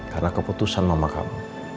karena keputusan mama kamu